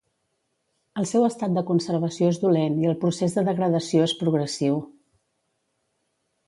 El seu estat de conservació és dolent i el procés de degradació és progressiu.